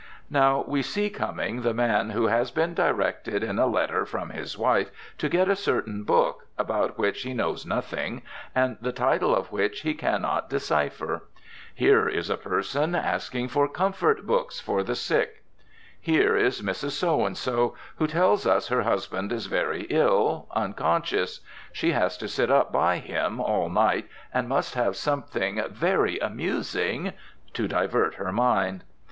Now we see coming the man who has been directed in a letter from his wife to get a certain book, about which he knows nothing, and the title of which he can not decipher. Here is a person asking for "comfort books" for the sick. Here is Mrs. So and So, who tells us her husband is very ill, unconscious; she has to sit up by him all night, and must have something "very amusing" to divert her mind.